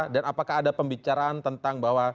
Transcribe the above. dan apakah ada pembicaraan tentang bahwa